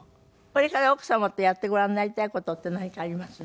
これから奥様とやってご覧になりたい事って何かあります？